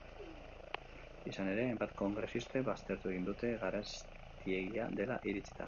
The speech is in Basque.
Izan ere, hainbat kongresistek baztertu egin dute, garestiegia dela iritzita.